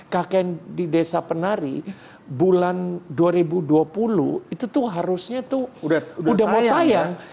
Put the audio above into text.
kakek di desa penari bulan dua ribu dua puluh itu tuh harusnya tuh udah mau tayang